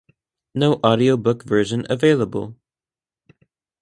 No audiobook version available.